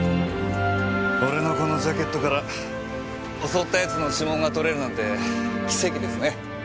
俺のこのジャケットから襲った奴の指紋が取れるなんて奇跡ですね。